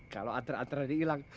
kalau antar antar dia hilang